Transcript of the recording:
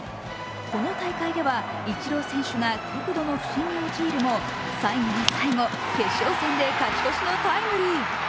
この大会ではイチロー選手が極度の不振に陥るも、最後の最後、決勝戦で勝ち越しのタイムリー。